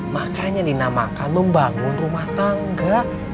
makanya dinamakan membangun rumah tangga